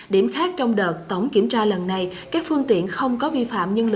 điểm khác trong đợt tổng kiểm tra lần này các phương tiện không có vi phạm